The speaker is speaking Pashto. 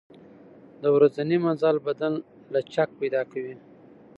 د ورځني مزل سره بدن لچک پیدا کوي.